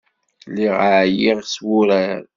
Lliɣ ɛyiɣ s wuṛaṛ.